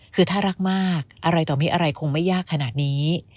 คือถ้ารักมากอะไรต่อมีอะไรคงไม่ยากขนาดนี้